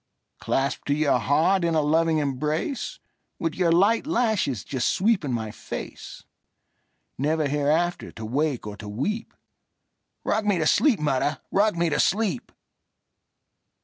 Clasped to your heart in a loving embrace, With your light lashes just sweeping my face, Never hereafter to wake or to weep;—Rock me to sleep, mother,—rock me to sleep!